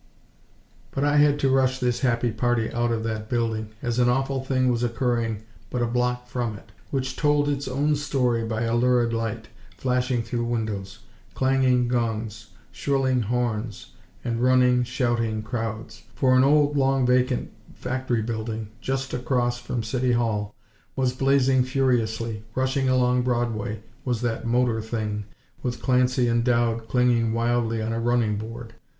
But I had to rush this happy party out of that building, as an awful thing was occurring but a block from it; which told its own story by a lurid light, flashing through windows; clanging gongs, shrilling horns and running, shouting crowds; for an old, long vacant factory building just across from City Hall, was blazing furiously. Rushing along Broadway was that "motor thing," with Clancy and Dowd clinging wildly on a running board.